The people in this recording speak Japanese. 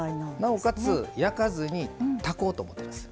なおかつ焼かずに炊こうと思ってます。